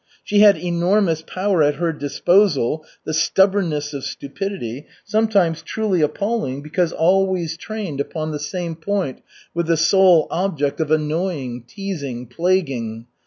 She had enormous power at her disposal, the stubbornness of stupidity, sometimes truly appalling because always trained upon the same point with the sole object of annoying, teasing, plaguing.